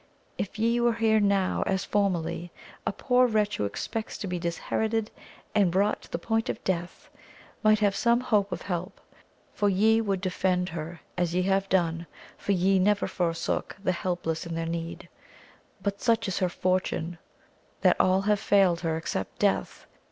if ye were here now as formerly, a poor wretch who expects to be disherited and brought to the point of death, might have some hope of help, for ye would defend her as ye have done, for ye never forsook the helpless in their need ; but such is her fortune that all have failed her except death